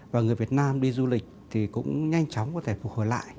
và người việt nam đi du lịch thì cũng nhanh chóng có thể phục hồi lại